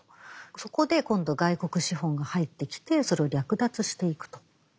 そこで今度外国資本が入ってきてそれを略奪していくと。